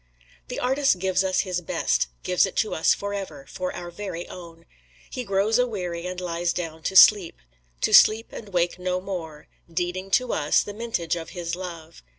The artist gives us his best gives it to us forever, for our very own. He grows aweary and lies down to sleep to sleep and wake no more, deeding to us the mintage of his love.